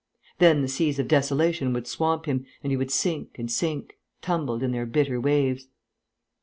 Then the seas of desolation would swamp him and he would sink and sink, tumbled in their bitter waves.